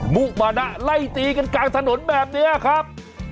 มุมานะไล่ตีกันกลางถนนแบบนี้ครับ